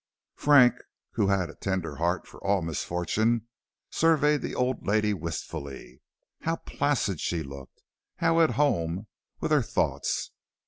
Frank, who had a tender heart for all misfortune, surveyed the old lady wistfully. How placid she looked, how at home with her thoughts!